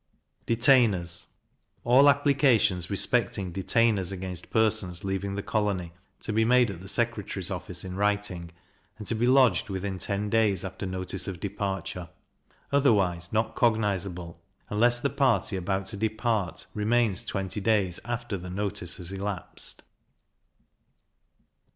Detainers. All applications respecting detainers against persons leaving the colony, to be made at the secretary's office in writing, and to be lodged within ten days after notice of departure; otherwise not cognizable, unless the party about to depart remains twenty days after the notice has elapsed.